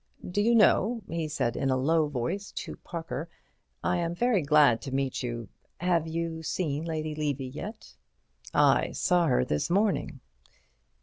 "Do you know," he said in a low voice to Parker, "I am very glad to meet you. Have you seen Lady Levy yet?" "I saw her this morning."